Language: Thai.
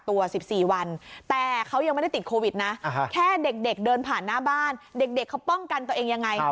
ตัว๑๔วันแต่เขายังไม่ได้ติดโควิดนะแค่เด็กเดินผ่านหน้าบ้านเด็กเขาป้องกันตัวเองยังไง